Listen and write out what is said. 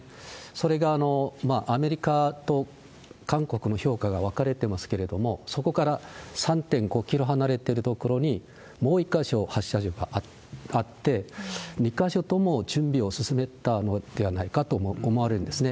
それが今、アメリカと韓国の評価が分かれてますけれども、そこから３．５キロ離れてる所にもう一か所発射場があって、２か所とも準備を進めたのではないかと思われるんですね。